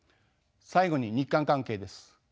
最後に日韓関係です。